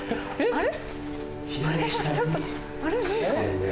あれ？